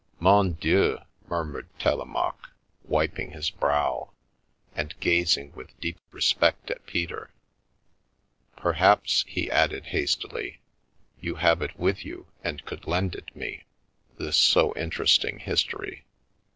"" Mon Dieu," murmured Telemaque, wiping his brow, and gazing with deep respect at Peter. " Perhaps/' he added, hastily, " you have it with you and could lend it me, this so interesting history?"